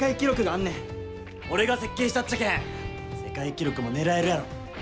俺が設計したっちゃけん世界記録も狙えるやろ。